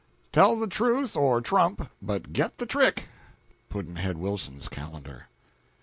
Tell the truth or trump but get the trick. Pudd'nhead Wilson's Calendar.